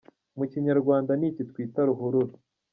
Mu kinyarwanda ni iki twita ruhurura.